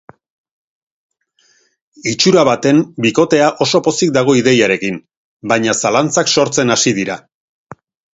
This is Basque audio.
Itxura baten bikotea oso pozik dago ideiarekin, baina zalantzak sortzen hasi dira.